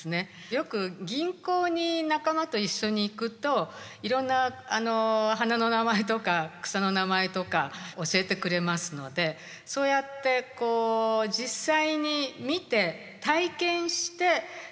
よく吟行に仲間と一緒に行くといろんな花の名前とか草の名前とか教えてくれますのでそうやって私の場合。